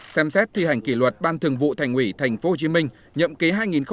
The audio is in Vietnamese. ba xem xét thi hành kỷ luật ban thường vụ thành ủy tp hcm nhậm ký hai nghìn một mươi hai nghìn một mươi năm